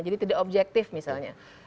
jadi tidak objektif misalnya